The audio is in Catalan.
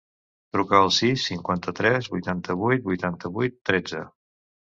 Truca al sis, cinquanta-tres, vuitanta-vuit, vuitanta-vuit, tretze.